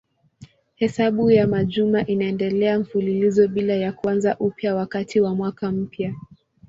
Hesabu ya majuma inaendelea mfululizo bila ya kuanza upya wakati wa mwaka mpya.